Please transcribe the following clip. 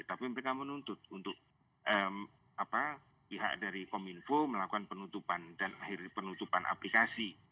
tapi mereka menuntut untuk pihak dari kominfo melakukan penutupan dan akhir penutupan aplikasi